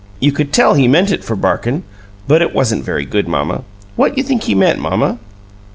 You could tell he meant it for barkin', but it wasn't very good, mamma. What you think he meant, mamma?"